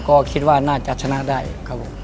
ก็คิดว่าน่าจะชนะได้ครับผม